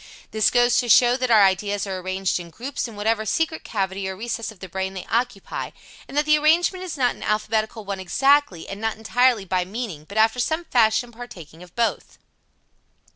This goes to show that our ideas are arranged in groups in whatever secret cavity or recess of the brain they occupy, and that the arrangement is not an alphabetical one exactly, and not entirely by meaning, but after some fashion partaking of both.